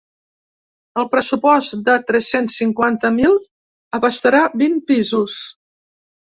El pressupost de tres-cents cinquanta mil abastarà vint pisos.